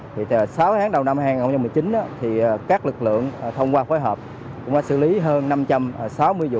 thì sáu tháng đầu năm hai nghìn một mươi chín thì các lực lượng thông qua phối hợp cũng đã xử lý hơn năm trăm sáu mươi vụ